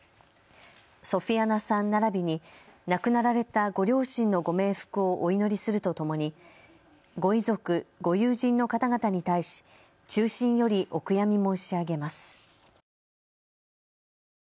ソフィアナさんならびに亡くなられたご両親のご冥福をお祈りするとともにご遺族・ご友人の方々に対し衷心よりお悔やみ申し上げます。